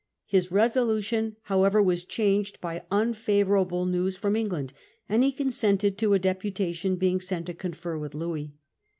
His resolution however was changed by un favourable news from England, and he consented to a deputation being sent to confer with Louis.